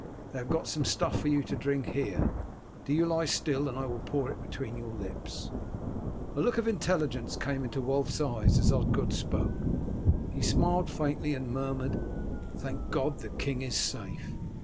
They have got some stuff for you to drink here; do you lie still and I will pour it between your lips." A look of intelligence came into Wulf's eyes as Osgod spoke; he smiled faintly, and murmured, "Thank God, the king is safe!"